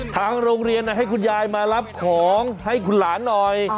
ทางโรงเรียนให้คุณยายมารับของให้คุณหลานหน่อย